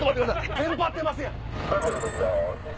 テンパってますやん。